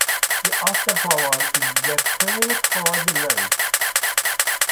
The official flower is the cream-colored rose.